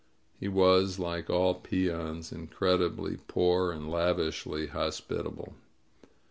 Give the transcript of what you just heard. He was, like all peons, incredi bly poor and lavishly hospitable.